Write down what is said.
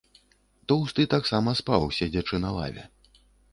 Тоўсты таксама спаў, седзячы на лаве.